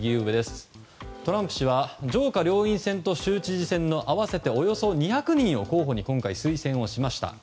トランプ氏は上下両院選と州知事選の合わせておよそ２００人を候補に今回推薦しました。